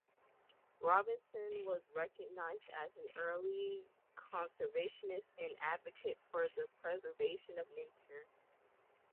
Robinson was recognized as an early conservationist and advocate for the preservation of nature.